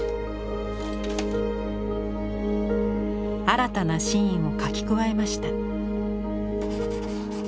新たなシーンを描き加えました。